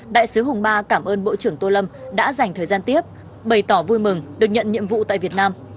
đại sứ hùng ba cảm ơn bộ trưởng tô lâm đã dành thời gian tiếp bày tỏ vui mừng được nhận nhiệm vụ tại việt nam